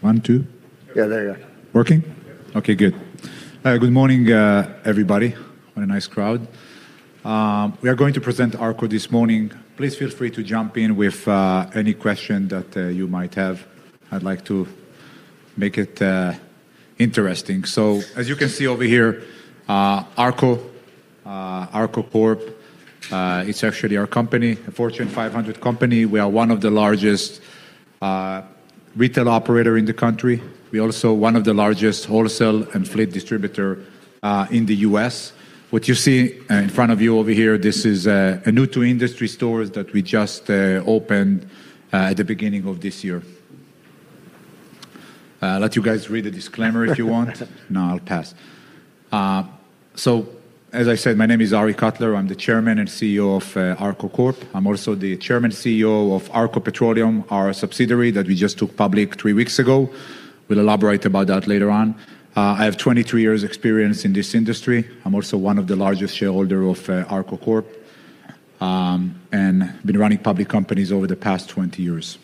One, two? Yeah, there you are. Working? Yeah. Okay, good. Good morning, everybody. What a nice crowd. We are going to present ARKO this morning. Please feel free to jump in with any question that you might have. I'd like to make it interesting. As you can see over here, ARKO Corp., it's actually our company, a Fortune 500 company. We are one of the largest retail operator in the country. We also one of the largest wholesale and fleet distributor in the U.S. What you see in front of you over here, this is a new to industry stores that we just opened at the beginning of this year. I'll let you guys read the disclaimer if you want. No, I'll pass. As I said, my name is Arie Kotler. I'm the Chairman and CEO of ARKO Corp. I'm also the Chairman CEO of ARKO Petroleum, our subsidiary that we just took public three weeks ago. We'll elaborate about that later on. I have 23 years experience in this industry. I'm also one of the largest shareholder of ARKO Corp, and been running public companies over the past 20 years.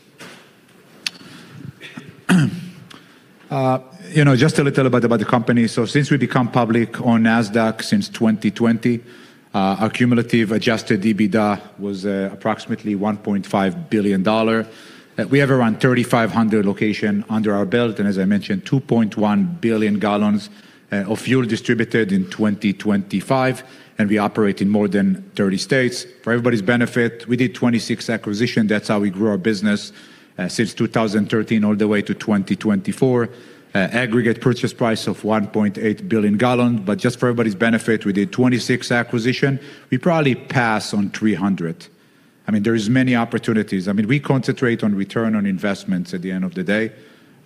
You know, just a little bit about the company. Since we become public on Nasdaq since 2020, our cumulative adjusted EBITDA was approximately $1.5 billion. We have around 3,500 location under our belt, and as I mentioned, 2.1 billion gallons of fuel distributed in 2025, and we operate in more than 30 states. For everybody's benefit, we did 26 acquisition. That's how we grew our business since 2013 all the way to 2024. Aggregate purchase price of 1.8 billion gallon. Just for everybody's benefit, we did 26 acquisition. We probably pass on 300. I mean, there is many opportunities. I mean, we concentrate on return on investments at the end of the day,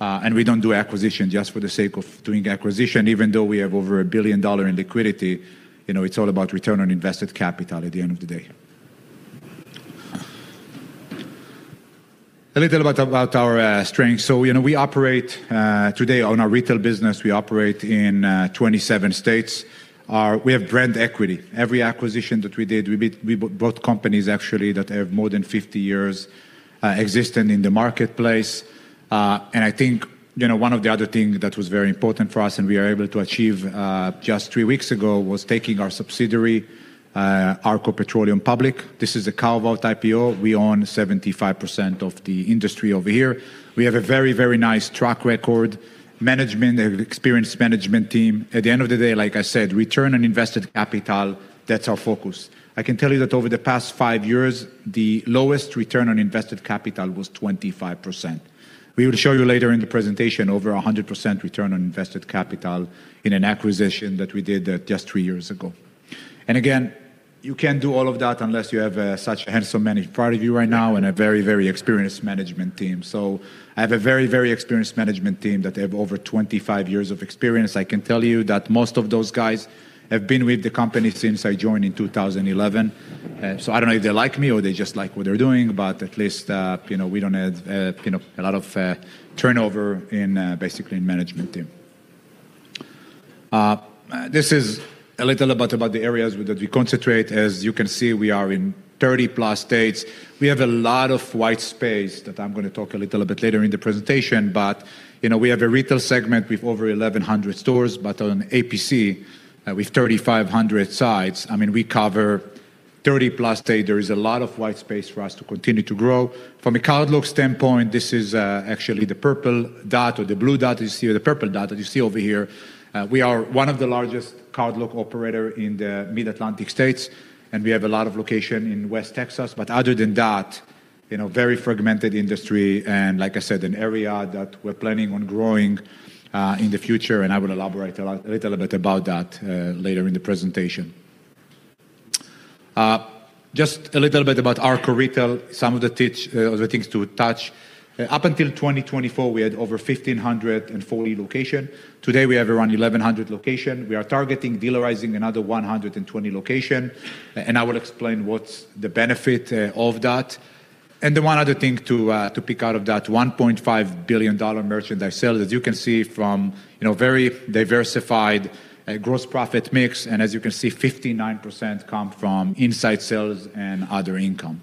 and we don't do acquisition just for the sake of doing acquisition, even though we have over $1 billion in liquidity. You know, it's all about return on invested capital at the end of the day. A little about our strength. You know, we operate today on our retail business. We operate in 27 states. We have brand equity. Every acquisition that we did, we bought companies actually that have more than 50 years existing in the marketplace. I think, you know, one of the other thing that was very important for us and we are able to achieve, just three weeks ago, was taking our subsidiary, ARKO Petroleum, public. This is a carve-out IPO. We own 75% of the industry over here. We have a very, very nice track record. Management, experienced management team. At the end of the day, like I said, Return on Invested Capital, that's our focus. I can tell you that over the past five years, the lowest Return on Invested Capital was 25%. We will show you later in the presentation over 100% Return on Invested Capital in an acquisition that we did, just three years ago. Again, you can't do all of that unless you have such a handsome man in front of you right now and a very, very experienced management team. I have a very, very experienced management team that have over 25 years of experience. I can tell you that most of those guys have been with the company since I joined in 2011. I don't know if they like me or they just like what they're doing, but at least, you know, we don't have, you know, a lot of turnover in basically in management team. This is a little bit about the areas that we concentrate. As you can see, we are in 30-plus states. We have a lot of white space that I'm gonna talk a little bit later in the presentation. you know, we have a retail segment with over 1,100 stores, on APC, we've 3,500 sites. I mean, we cover 30-plus state. There is a lot of white space for us to continue to grow. From a cardlock standpoint, this is, actually the purple dot or the blue dot you see or the purple dot that you see over here. We are one of the largest cardlock operator in the Mid-Atlantic states, and we have a lot of location in West Texas. Other than that, you know, very fragmented industry and, like I said, an area that we're planning on growing in the future, and I will elaborate a little bit about that later in the presentation. Just a little bit about ARKO Retail, some of the things to touch. Up until 2024, we had over 1,540 location. Today, we have around 1,100 location. We are targeting dealerizing another 120 location, and I will explain what's the benefit of that. The one other thing to pick out of that $1.5 billion merchandise sale, as you can see from, you know, very diversified gross profit mix, and as you can see, 59% come from inside sales and other income.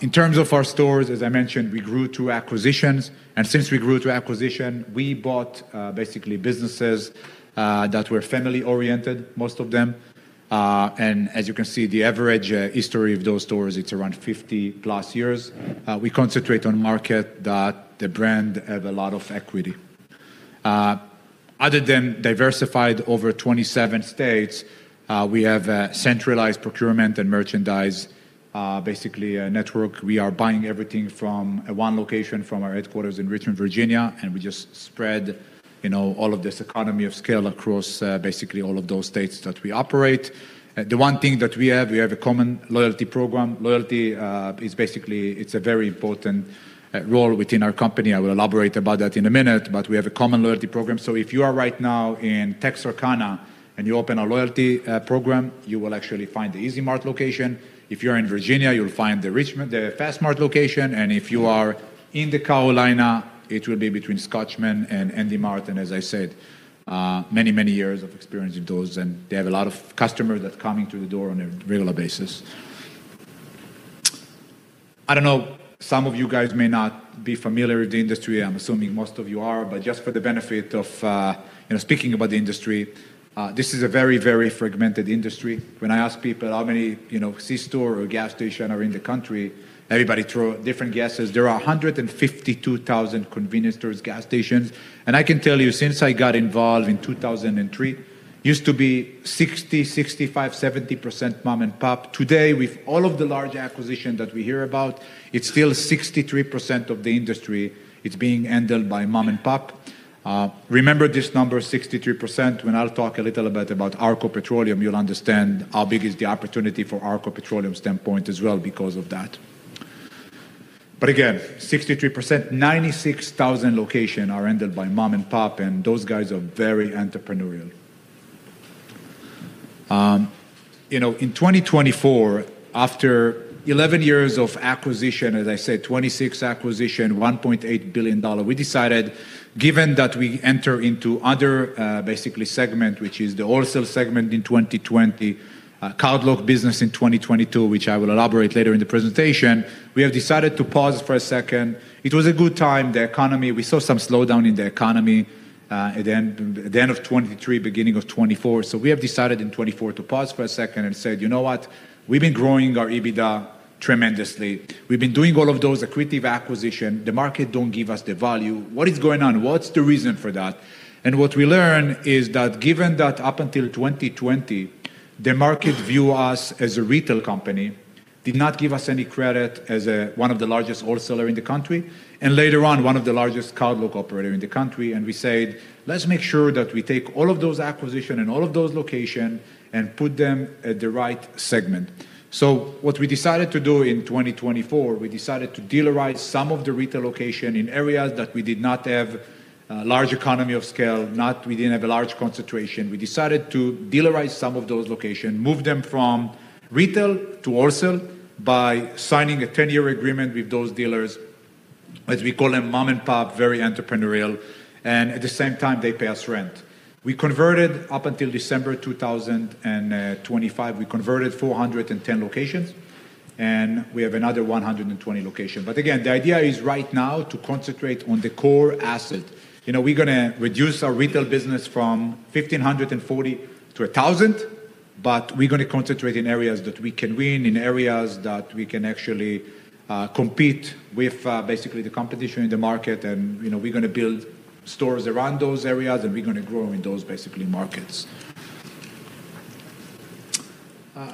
In terms of our stores, as I mentioned, we grew through acquisitions, and since we grew through acquisition, we bought basically businesses that were family-oriented, most of them. And as you can see, the average history of those stores, it's around 50-plus years. We concentrate on market that the brand have a lot of equity. Other than diversified over 27 states, we have a centralized procurement and merchandise, basically a network. We are buying everything from one location from our headquarters in Richmond, Virginia, we just spread, you know, all of this economy of scale across, basically all of those states that we operate. The one thing that we have, we have a common loyalty program. Loyalty, it's a very important role within our company. I will elaborate about that in a minute, we have a common loyalty program. If you are right now in Texarkana and you open a loyalty program, you will actually find the E-Z Mart location. If you're in Virginia, you'll find the fas mart location, and if you are in the Carolina, it will be between Scotchman and ND Mart. As I said, many, many years of experience with those, and they have a lot of customers that coming through the door on a regular basis. I don't know, some of you guys may not be familiar with the industry. I'm assuming most of you are, but just for the benefit of, you know, speaking about the industry, this is a very, very fragmented industry. When I ask people how many, you know, c-store or gas station are in the country, everybody throw different guesses. There are 152,000 convenience stores, gas stations. I can tell you since I got involved in 2003, used to be 60%, 65%, 70% mom-and-pop. Today, with all of the large acquisition that we hear about, it's still 63% of the industry, it's being handled by mom-and-pop. Remember this number, 63%. When I'll talk a little bit about ARKO Petroleum, you'll understand how big is the opportunity for ARKO Petroleum standpoint as well because of that. Again, 63%, 96,000 location are handled by mom-and-pop, and those guys are very entrepreneurial. You know, in 2024, after 11 years of acquisition, as I said, 26 acquisition, $1.8 billion, we decided, given that we enter into other, basically segment, which is the wholesale segment in 2020, cardlock business in 2022, which I will elaborate later in the presentation, we have decided to pause for a second. It was a good time. The economy, we saw some slowdown in the economy, at the end, at the end of 2023, beginning of 2024. We have decided in 2024 to pause for a second and said, "You know what? We've been growing our EBITDA tremendously. We've been doing all of those accretive acquisition. The market don't give us the value. What is going on? What's the reason for that?" What we learn is that given that up until 2020, the market view us as a retail company did not give us any credit as one of the largest wholesaler in the country, and later on, one of the largest cardlock operator in the country. We said, "Let's make sure that we take all of those acquisition and all of those location and put them at the right segment." What we decided to do in 2024, we decided to dealerize some of the retail location in areas that we did not have a large economy of scale, we didn't have a large concentration. We decided to dealerize some of those location, move them from retail to wholesale by signing a 10-year agreement with those dealers, as we call them mom-and-pop, very entrepreneurial, and at the same time, they pay us rent. We converted up until December 2025. We converted 410 locations, and we have another 120 location. Again, the idea is right now to concentrate on the core asset. You know, we're gonna reduce our retail business from 1,540 to 1,000, we're gonna concentrate in areas that we can win, in areas that we can actually compete with basically the competition in the market. You know, we're gonna build stores around those areas, and we're gonna grow in those basically markets.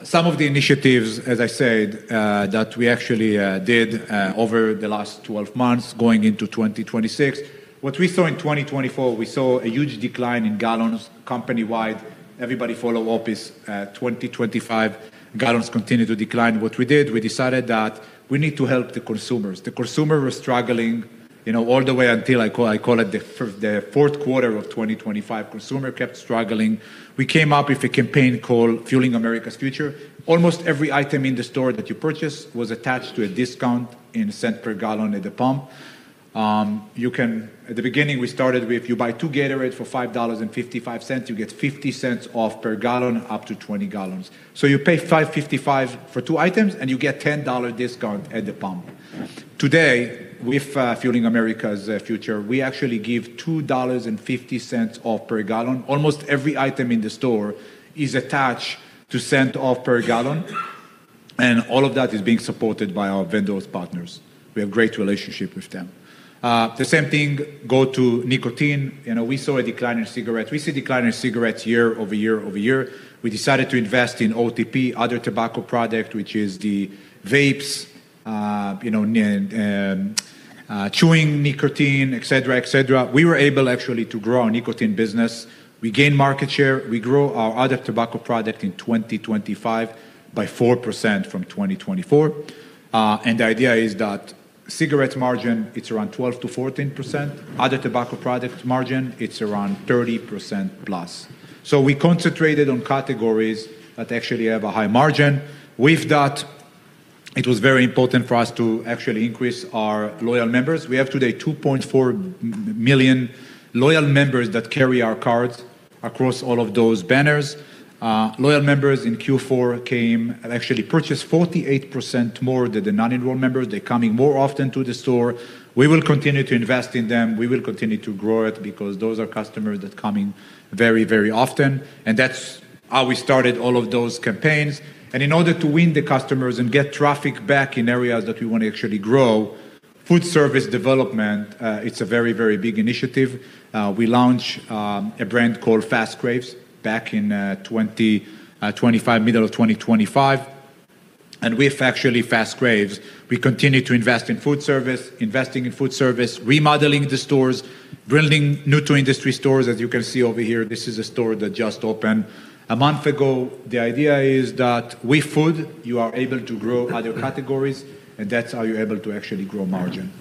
Some of the initiatives, as I said, that we actually did over the last 12 months going into 2026. What we saw in 2024, we saw a huge decline in gallons company-wide. Everybody follow up is, 2025, gallons continue to decline. What we did, we decided that we need to help the consumers. The consumer was struggling, you know, all the way until I call it the fourth quarter of 2025. Consumer kept struggling. We came up with a campaign called Fueling America's Future. Almost every item in the store that you purchase was attached to a discount in cents per gallon at the pump. At the beginning, we started with you buy two Gatorade for $5.55, you get $0.50 off per gallon, up to 20 gallons. You pay $5.55 for two items, and you get $10 discount at the pump. Today, with Fueling America's Future, we actually give $2.50 off per gallon. Almost every item in the store is attached to cents off per gallon, and all of that is being supported by our vendors partners. We have great relationship with them. The same thing go to nicotine. You know, we saw a decline in cigarettes. We see decline in cigarettes year over year over year. We decided to invest in OTP, other tobacco product, which is the vapes, you know, and chewing nicotine, et cetera, et cetera. We were able actually to grow our nicotine business. We gain market share. We grow our other tobacco product in 2025 by 4% from 2024. The idea is that cigarette margin, it's around 12%-14%. Other tobacco product margin, it's around 30%+. We concentrated on categories that actually have a high margin. With that, it was very important for us to actually increase our loyal members. We have today 2.4 million loyal members that carry our cards across all of those banners. Loyal members in Q4 came and actually purchased 48% more than the non-enrolled member. They're coming more often to the store. We will continue to invest in them. We will continue to grow it because those are customers that come in very, very often, that's how we started all of those campaigns. In order to win the customers and get traffic back in areas that we wanna actually grow, food service development, it's a very, very big initiative. We launch a brand called fas craves back in 2025, middle of 2025. With actually fas craves, we continue to invest in food service, remodeling the stores, building new to industry stores. As you can see over here, this is a store that just opened a month ago. The idea is that with food, you are able to grow other categories, that's how you're able to actually grow margin.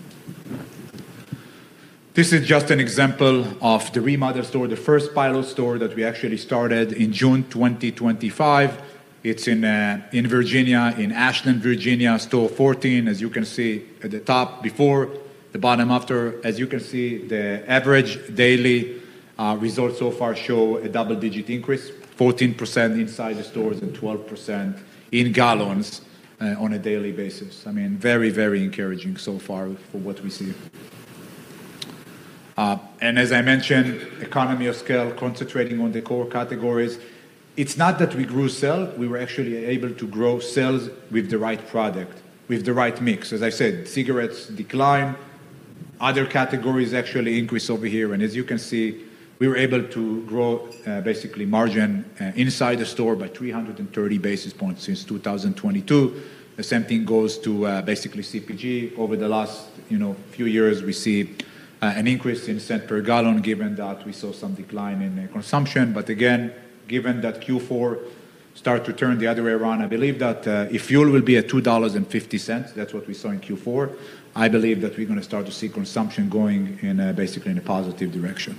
This is just an example of the remodel store, the first pilot store that we actually started in June 2025. It's in Virginia, in Ashland, Virginia, store 14. As you can see at the top before, the bottom after. As you can see, the average daily results so far show a double-digit increase, 14% inside the stores and 12% in gallons on a daily basis. I mean, very, very encouraging so far for what we see. As I mentioned, economy of scale, concentrating on the core categories. It's not that we grew sell. We were actually able to grow sells with the right product, with the right mix. As I said, cigarettes decline, other categories actually increase over here. As you can see, we were able to grow, basically margin, inside the store by 330 basis points since 2022. The same thing goes to, basically CPG. Over the last, you know, few years, we see an increase in cents per gallon given that we saw some decline in consumption. Again, given that Q4 start to turn the other way around, I believe that, if fuel will be at $2.50, that's what we saw in Q4, I believe that we're gonna start to see consumption going in, basically in a positive direction.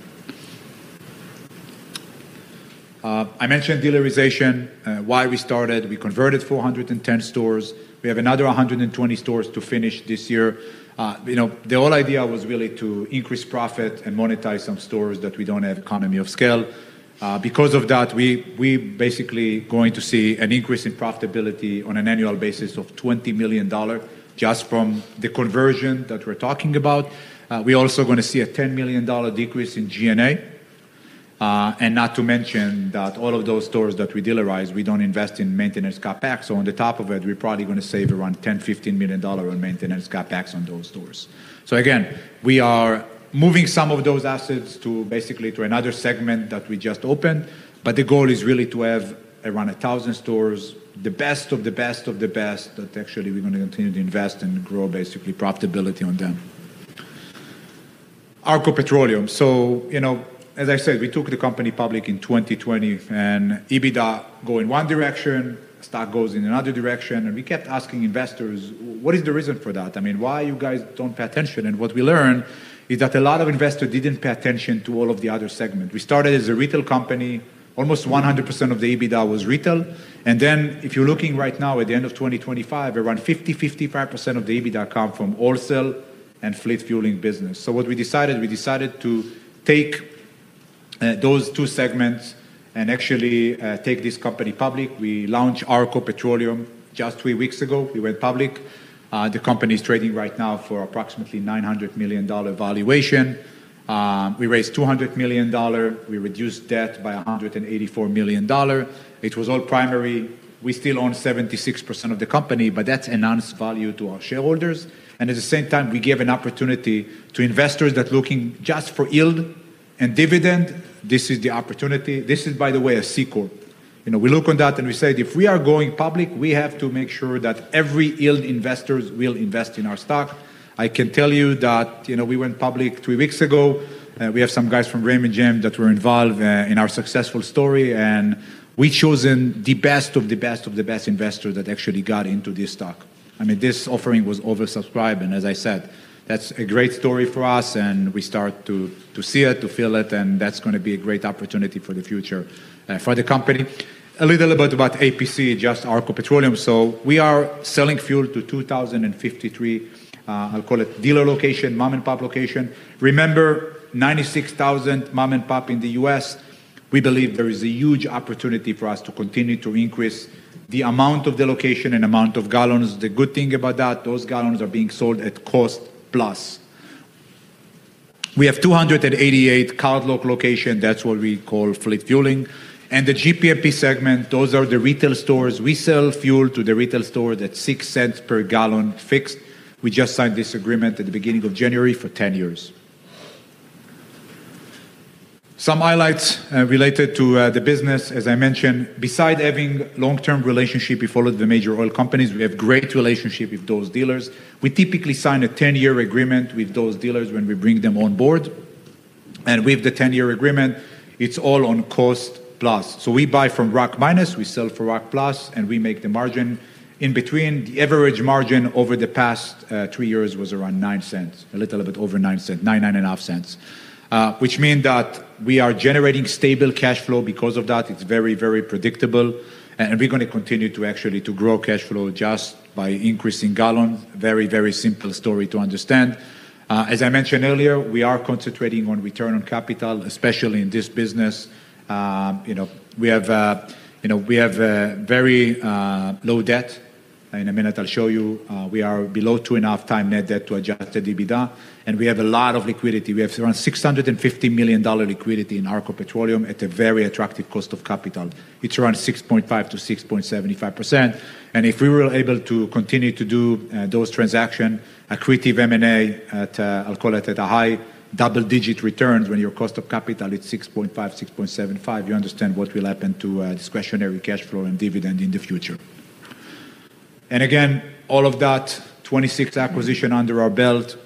I mentioned dealerization, why we started. We converted 410 stores. We have another 120 stores to finish this year. You know, the whole idea was really to increase profit and monetize some stores that we don't have economy of scale. Because of that, we basically going to see an increase in profitability on an annual basis of $20 million just from the conversion that we're talking about. We're also gonna see a $10 million decrease in G&A. Not to mention that all of those stores that we dealerize, we don't invest in Maintenance CapEx. On the top of it, we're probably gonna save around $10 million-$15 million on Maintenance CapEx on those stores. Again, we are moving some of those assets to basically to another segment that we just opened, but the goal is really to have around 1,000 stores, the best of the best of the best that actually we're gonna continue to invest and grow basically profitability on them. ARKO Petroleum. You know, as I said, we took the company public in 2020, and EBITDA go in one direction, stock goes in another direction. We kept asking investors, "What is the reason for that? I mean, why you guys don't pay attention?" What we learned is that a lot of investors didn't pay attention to all of the other segment. We started as a retail company. Almost 100% of the EBITDA was retail. If you're looking right now at the end of 2025, around 50%-55% of the EBITDA come from wholesale and fleet fueling business. What we decided to take those two segments and actually take this company public. We launched ARKO Petroleum 3 weeks ago. We went public. The company's trading right now for approximately $900 million valuation. We raised $200 million. We reduced debt by $184 million. It was all primary. We still own 76% of the company, but that's enhanced value to our shareholders. At the same time, we gave an opportunity to investors that looking just for yield and dividend. This is the opportunity. This is, by the way, a C corp. You know, we look on that and we said, if we are going public, we have to make sure that every yield investors will invest in our stock. I can tell you that, you know, we went public three weeks ago. We have some guys from Raymond James that were involved in our successful story, and we've chosen the best of the best of the best investor that actually got into this stock. I mean, this offering was oversubscribed. As I said, that's a great story for us, and we start to see it, to feel it, and that's gonna be a great opportunity for the future for the company. A little bit about APC, just ARKO Petroleum. We are selling fuel to 2,053, I'll call it dealer location, mom-and-pop location. Remember, 96,000 mom-and-pop in the U.S. We believe there is a huge opportunity for us to continue to increase the amount of the location and amount of gallons. The good thing about that, those gallons are being sold at cost-plus. We have 288 cardlock location. That's what we call fleet fueling. The GPMP segment, those are the retail stores. We sell fuel to the retail store at $0.06 per gallon fixed. We just signed this agreement at the beginning of January for 10 years. Some highlights related to the business. As I mentioned, beside having long-term relationship with all of the major oil companies, we have great relationship with those dealers. We typically sign a 10-year agreement with those dealers when we bring them on board. With the 10-year agreement, it's all on cost-plus. We buy from rack minus, we sell for rack plus, and we make the margin in between. The average margin over the past three years was around $0.09, a little bit over $0.09, $0.095. Which means that we are generating stable cash flow because of that. It's very, very predictable. We're gonna continue to actually to grow cash flow just by increasing gallon. Very, very simple story to understand. As I mentioned earlier, we are concentrating on return on capital, especially in this business. You know, we have, you know, we have very low debt. In a minute, I'll show you. We are below 2.5x net debt-to-adjusted EBITDA, and we have a lot of liquidity. We have around $650 million liquidity in ARKO Petroleum at a very attractive cost of capital. It's around 6.5%-6.75%. If we were able to continue to do those transaction, accretive M&A at, I'll call it at a high double-digit returns when your cost of capital is 6.5%, 6.75%, you understand what will happen to Discretionary Cash Flow and dividend in the future. Again, all of that 26 acquisition under our belt,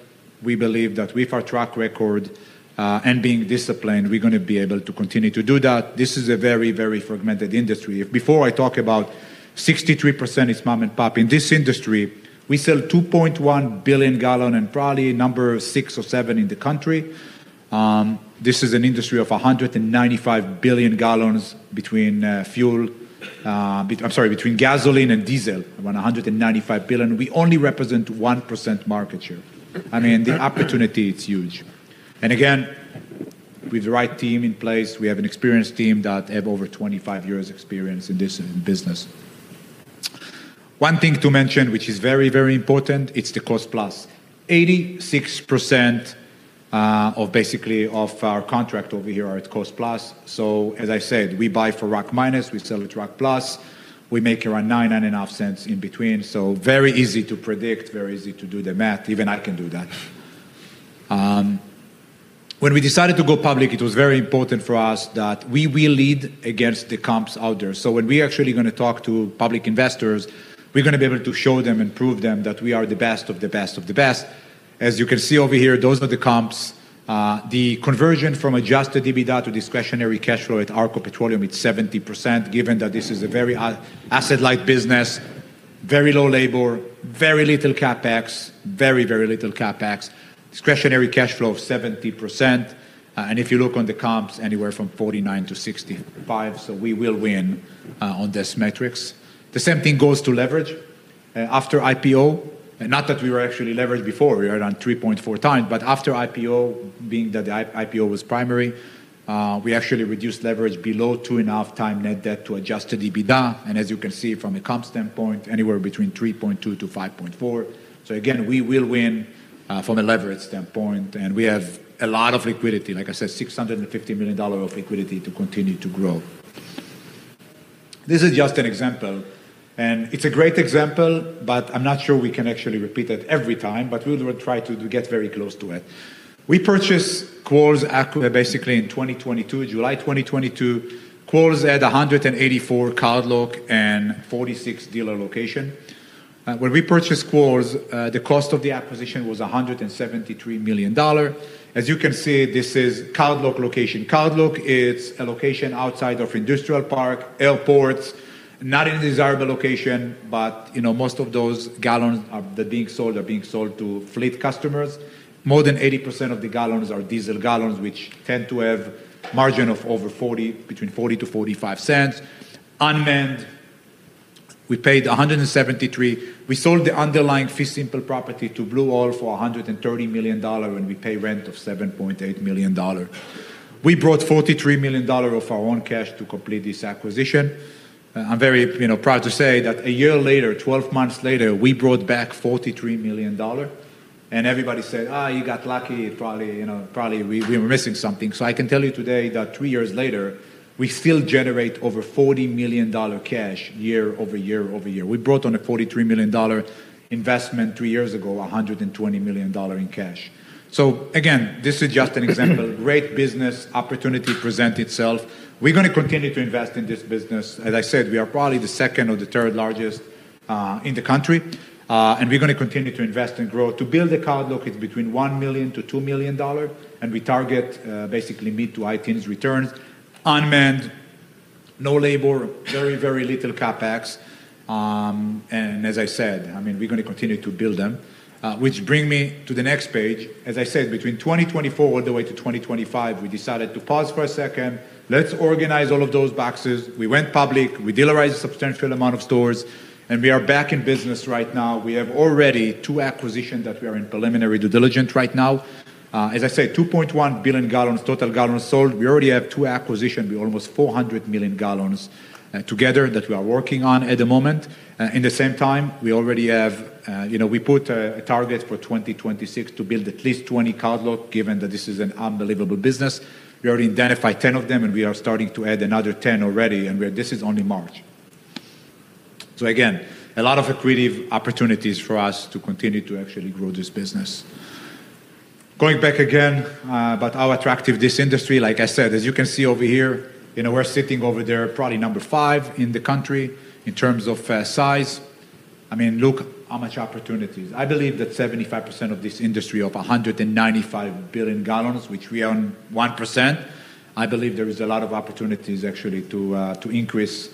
we believe that with our track record, and being disciplined, we're gonna be able to continue to do that. This is a very, very fragmented industry. Before I talk about 63% is mom-and-pop, in this industry, we sell 2.1 billion gallon and probably number 6 or 7 in the country. This is an industry of 195 billion gallons between gasoline and diesel, around 195 billion. We only represent 1% market share. I mean, the opportunity, it's huge. Again, with the right team in place, we have an experienced team that have over 25 years experience in this business. One thing to mention which is very, very important, it's the cost-plus. 86% of basically of our contract over here are at cost-plus. As I said, we buy for rack minus, we sell at rack plus, we make around $0.095 in between. Very easy to predict, very easy to do the math. Even I can do that. When we decided to go public, it was very important for us that we will lead against the comps out there. When we actually gonna talk to public investors, we're gonna be able to show them and prove them that we are the best of the best of the best. As you can see over here, those are the comps. The conversion from adjusted EBITDA to Discretionary Cash Flow at ARKO Petroleum, it's 70%, given that this is a very asset-light business, very low labor, very little CapEx. Discretionary Cash Flow of 70%. If you look on the comps, anywhere from 49-65, so we will win on this metrics. The same thing goes to leverage. After IPO, and not that we were actually leveraged before, we are around 3.4x. After IPO, being that the IPO was primary, we actually reduced leverage below 2.5x net debt-to-adjusted EBITDA. As you can see from a comp standpoint, anywhere between 3.2%-5.4%. Again, we will win from a leverage standpoint, and we have a lot of liquidity. Like I said, $650 million of liquidity to continue to grow. This is just an example, and it's a great example, but I'm not sure we can actually repeat it every time, but we will try to get very close to it. We purchased Quarles basically in 2022, July 2022. Quarles had 184 cardlock and 46 dealer location. When we purchased Quarles, the cost of the acquisition was $173 million. As you can see, this is cardlock location. Cardlock, it's a location outside of industrial park, airports, not any desirable location, you know, most of those gallons that are being sold to fleet customers. More than 80% of the gallons are diesel gallons, which tend to have margin of over $0.40-$0.45. Unmanned, we paid $173 million. We sold the underlying fee simple property to Blue Owl for $130 million, we pay rent of $7.8 million. We brought $43 million of our own cash to complete this acquisition. I'm very, you know, proud to say that a year later, 12 months later, we brought back $43 million. Everybody said, "You got lucky. Probably, you know, we are missing something. I can tell you today that three years later, we still generate over $40 million cash year-over-year-over-year. We brought on a $43 million investment three years ago, $120 million in cash. Again, this is just an example. Great business opportunity present itself. We're gonna continue to invest in this business. As I said, we are probably the second or third largest in the country. We're gonna continue to invest and grow. To build a cardlock, it's between $1 million-$2 million, and we target basically mid to high teens returns. Unmanned, no labor, very, very little CapEx. As I said, I mean, we're gonna continue to build them. Which bring me to the next page. As I said, between 2024 all the way to 2025, we decided to pause for a second. Let's organize all of those boxes. We went public. We dealerized a substantial amount of stores. We are back in business right now. We have already 2 acquisitions that we are in preliminary due diligence right now. As I said, 2.1 billion gallons, total gallons sold. We already have two acquisitions, be almost 400 million gallons together that we are working on at the moment. In the same time, we already have, you know, we put a target for 2026 to build at least 20 cardlock, given that this is an unbelievable business. We already identified 10 of them. We are starting to add another 10 already. This is only March. Again, a lot of accretive opportunities for us to continue to actually grow this business. Going back again, about how attractive this industry, like I said, as you can see over here, you know, we're sitting over there probably number 5 in the country in terms of size. I mean, look how much opportunities. I believe that 75% of this industry of 195 billion gallons, which we own 1%, I believe there is a lot of opportunities actually to increase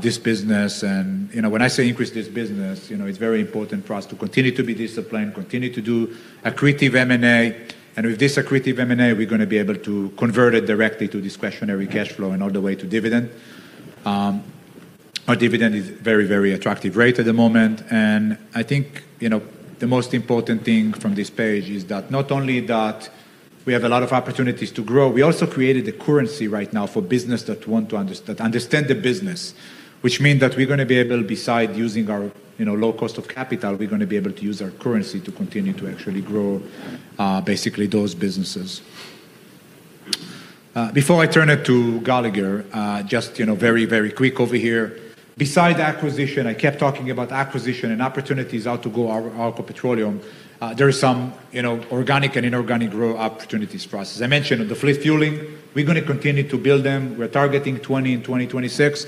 this business. You know, when I say increase this business, you know, it's very important for us to continue to be disciplined, continue to do accretive M&A. With this accretive M&A, we're gonna be able to convert it directly to Discretionary Cash Flow and all the way to dividend. Our dividend is very, very attractive rate at the moment. I think, you know, the most important thing from this page is that not only that we have a lot of opportunities to grow, we also created a currency right now for business that want to understand the business, which mean that we're gonna be able, beside using our, you know, low cost of capital, we're gonna be able to use our currency to continue to actually grow, basically those businesses. Before I turn it to Gallagher, just, you know, very, very quick over here. Beside acquisition, I kept talking about acquisition and opportunities how to grow our petroleum. There are some, you know, organic and inorganic grow opportunities for us. As I mentioned, the fleet fueling, we're gonna continue to build them. We're targeting 20 in 2026.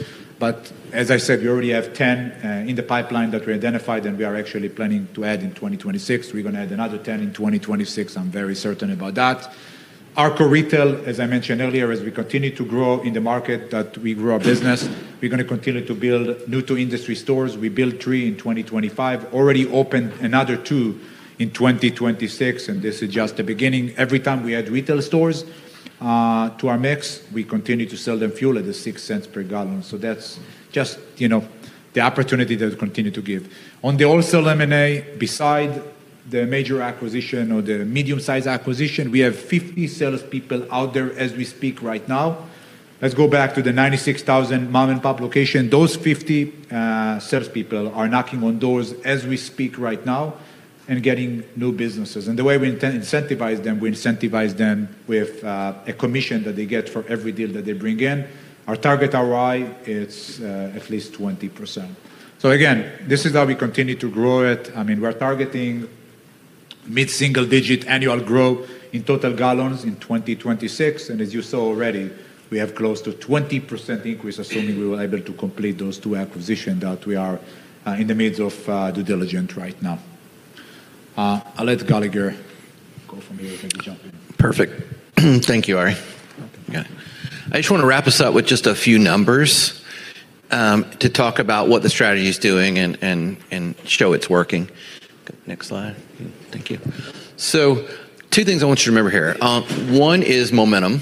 As I said, we already have 10 in the pipeline that we identified and we are actually planning to add in 2026. We're gonna add another 10 in 2026. I'm very certain about that. ARKO Retail, as I mentioned earlier, as we continue to grow in the market that we grow our business, we're gonna continue to build new to industry stores. We built 3 in 2025, already opened another 2 in 2026, and this is just the beginning. Every time we add retail stores to our mix, we continue to sell them fuel at the $0.06 per gallon. That's just, you know, the opportunity that it continue to give. On the wholesale M&A, Beside the major acquisition or the medium-size acquisition, we have 50 salespeople out there as we speak right now. Let's go back to the 96,000 mom-and-pop location. Those 50 salespeople are knocking on doors as we speak right now and getting new businesses. The way we incentivize them, we incentivize them with a commission that they get for every deal that they bring in. Our target ROI, it's at least 20%. Again, this is how we continue to grow it. I mean, we're targeting mid-single digit annual growth in total gallons in 2026. As you saw already, we have close to 20% increase, assuming we were able to complete those two acquisitions that we are in the midst of due diligence right now. I'll let Galagher go from here. Thank you. Jump in. Perfect. Thank you, Arie. Okay. Yeah. I just wanna wrap us up with just a few numbers to talk about what the strategy is doing and show it's working. Next slide. Thank you. Two things I want you to remember here. One is momentum.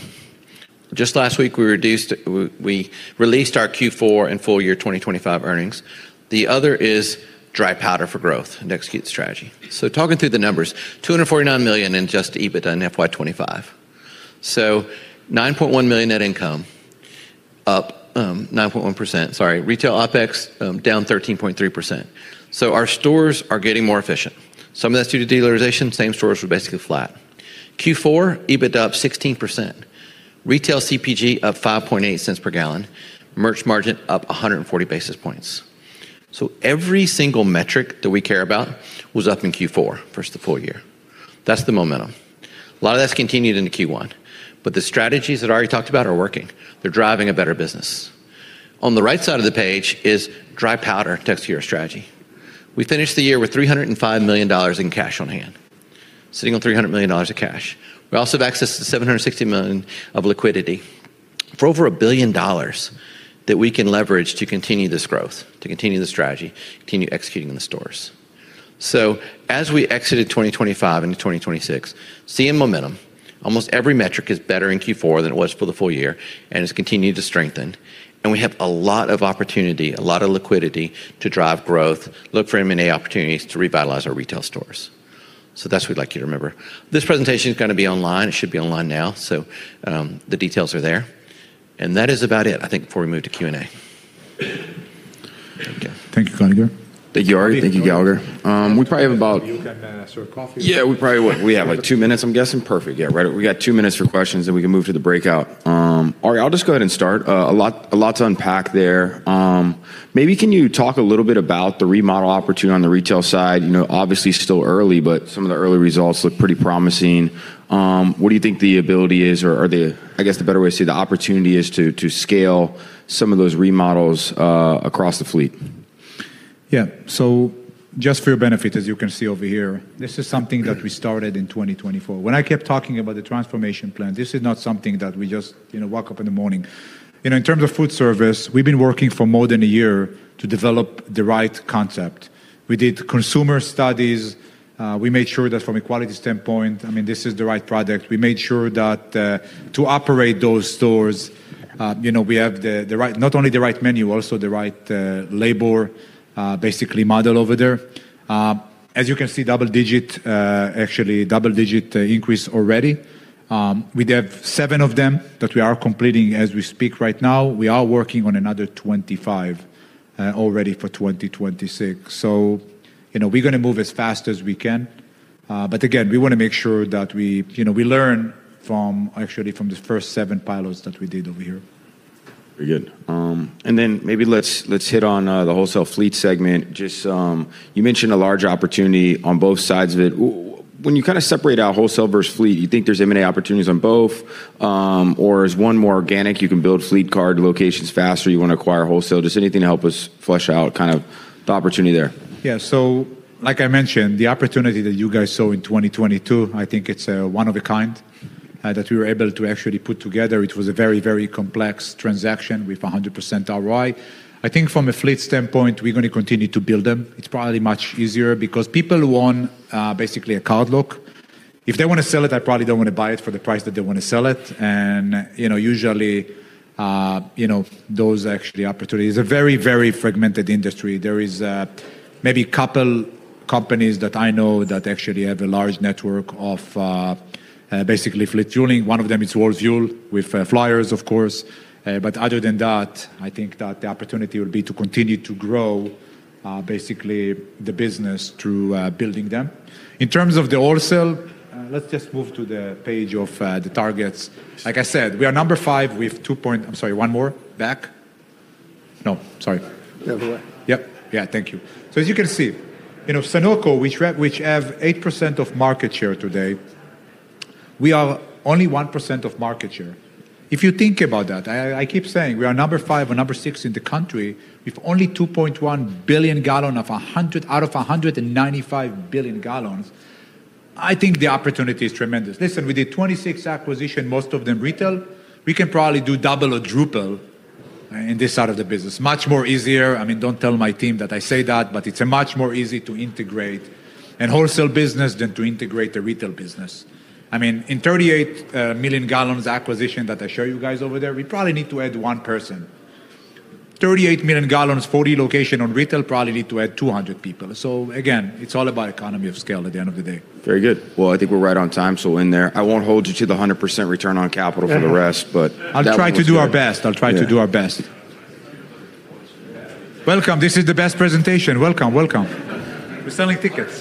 Just last week, we released our Q4 and full year 2025 earnings. The other is dry powder for growth and execute strategy. Talking through the numbers, $249 million in adjusted EBITDA in FY 2025. $9.1 million net income, up 9.1%, sorry. Retail OpEx down 13.3%. Our stores are getting more efficient. Some of that's due to dealerization. Same stores were basically flat. Q4, EBITDA up 16%. Retail CPG up $0.058 per gallon. Merchandise Margin up 140 basis points. Every single metric that we care about was up in Q4 versus the full year. That's the momentum. A lot of that's continued into Q1. The strategies that Arie talked about are working. They're driving a better business. On the right side of the page is dry powder to execute our strategy. We finished the year with $305 million in cash on hand, sitting on $300 million of cash. We also have access to $760 million of liquidity for over $1 billion that we can leverage to continue this growth, to continue the strategy, continue executing in the stores. As we exited 2025 into 2026, seeing momentum, almost every metric is better in Q4 than it was for the full year and has continued to strengthen. We have a lot of opportunity, a lot of liquidity to drive growth, look for M&A opportunities to revitalize our retail stores. That's what we'd like you to remember. This presentation is gonna be online. It should be online now. The details are there. That is about it, I think, before we move to Q&A. Thank you. Thank you, Galagher. Thank you, Arie. Thank you, Galagher. We probably have. You can pass sort of coffee. Yeah, we probably would. We have like two minutes, I'm guessing. Perfect. Yeah. Right. We got two minutes for questions. We can move to the breakout. Arie, I'll just go ahead and start. A lot to unpack there. Maybe can you talk a little bit about the remodel opportunity on the retail side? You know, obviously still early, some of the early results look pretty promising. What do you think the ability is or, I guess the better way to say, the opportunity is to scale some of those remodels across the fleet? Yeah. Just for your benefit, as you can see over here, this is something that we started in 2024. When I kept talking about the transformation plan, this is not something that we just, you know, woke up in the morning. You know, in terms of food service, we've been working for more than one year to develop the right concept. We did consumer studies. We made sure that from a quality standpoint, I mean, this is the right product. We made sure that to operate those stores, you know, we have the right, not only the right menu, also the right labor basically model over there. As you can see, double digit, actually double-digit increase already. We have seven of them that we are completing as we speak right now. We are working on another 25 already for 2026. You know, we're gonna move as fast as we can. Again, we wanna make sure that we, you know, we learn from actually from the first seven pilots that we did over here. Very good. Then maybe let's hit on the wholesale fleet segment. Just you mentioned a large opportunity on both sides of it. When you kinda separate out wholesale versus fleet, do you think there's M&A opportunities on both? Is one more organic, you can build fleet card locations faster, you wanna acquire wholesale? Just anything to help us flesh out kind of the opportunity there. Yeah. Like I mentioned, the opportunity that you guys saw in 2022, I think it's one of a kind that we were able to actually put together. It was a very, very complex transaction with 100% ROI. I think from a fleet standpoint, we're gonna continue to build them. It's probably much easier because people who own basically a cardlock, if they wanna sell it, I probably don't wanna buy it for the price that they wanna sell it. You know, usually, you know, those are actually opportunities. A very, very fragmented industry. There is maybe couple companies that I know that actually have a large network of basically fleet fueling. One of them is World Fuel with Flyers, of course. Other than that, I think that the opportunity will be to continue to grow, basically the business through building them. In terms of the wholesale, let's just move to the page of the targets. Like I said, we are number five with two point... I'm sorry, one more back. No, sorry. Other way. Yep. Yeah. Thank you. As you can see, you know, Sunoco, which have 8% of market share today, we are only 1% of market share. If you think about that, I keep saying we are number five or number six in the country with only 2.1 billion gallon of 100 out of 195 billion gallons. I think the opportunity is tremendous. Listen, we did 26 acquisition, most of them retail. We can probably do double or triple in this side of the business. Much more easier. I mean, don't tell my team that I say that, but it's a much more easy to integrate in wholesale business than to integrate the retail business. I mean, in 38 million gallons acquisition that I show you guys over there, we probably need to add one person. 38 million gallons, 40 location on retail, probably need to add 200 people. Again, it's all about economy of scale at the end of the day. Very good. I think we're right on time, so we'll end there. I won't hold you to the 100% return on capital for the rest, but that one's- I'll try to do our best. I'll try to do our best. Welcome. This is the best presentation. Welcome. We're selling tickets.